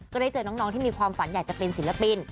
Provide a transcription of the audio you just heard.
ก็ได้เจอน้องที่มีความฝันอยากจะเป็นศิลปิน